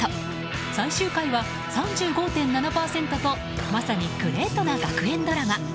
最終回は３５．７％とまさにグレートな学園ドラマ。